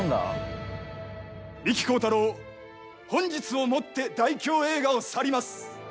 幹幸太郎本日をもって大京映画を去ります。